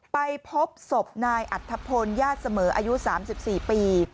ไปพบศพนายอัธพลญาติเสมออายุ๓๔ปี